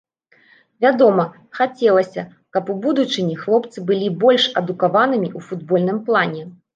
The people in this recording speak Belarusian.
Вядома, хацелася, каб у будучыні хлопцы былі больш адукаванымі ў футбольным плане.